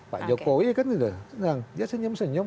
pak jokowi kan senang dia senyum senyum